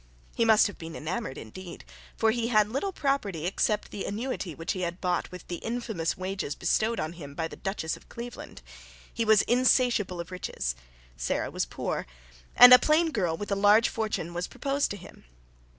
He must have been enamoured indeed. For he had little property except the annuity which he had bought with the infamous wages bestowed on him by the Duchess of Cleveland: he was insatiable of riches: Sarah was poor; and a plain girl with a large fortune was proposed to him.